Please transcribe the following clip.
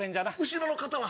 後ろの方は？